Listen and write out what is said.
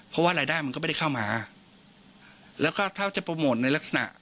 เพราะว่ารายได้มันก็ไม่ได้เข้ามาแล้วก็ถ้าจะโปรโมทในลักษณะ